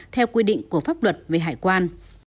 theo quy định của pháp luật về hải quan